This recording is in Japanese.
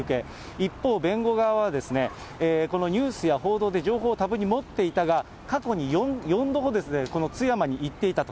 一方、弁護側はこのニュースや報道で情報を多分に持っていたが、過去に４度ほどこの津山に行っていたと。